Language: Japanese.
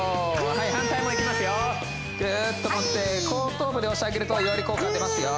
はい反対もいきますよグッと持って後頭部で押してあげるとより効果が出ますよ